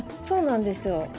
そうなんですよ。